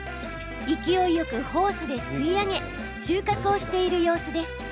勢いよくホースで吸い上げ収穫をしている様子です。